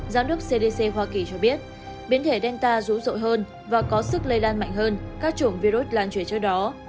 giám đốc cdc hoa kỳ cho biết biến thể denta rú rội hơn và có sức lây lan mạnh hơn các chủng virus lan truyền trước đó